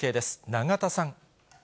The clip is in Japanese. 永田さん。